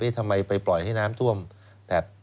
ทำไมไปปล่อยให้น้ำท่วมแบบ